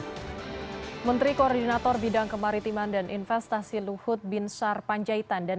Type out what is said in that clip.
hai menteri koordinator bidang kemaritiman dan investasi luhut bin sar panjaitan dan